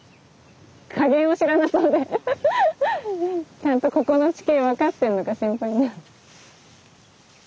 ちゃんとここの地形分かってんのか心配になる。